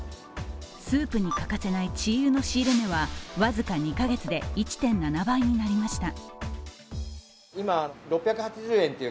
スープに欠かせない鶏油の仕入れ値は僅か２カ月で１．７倍になりました。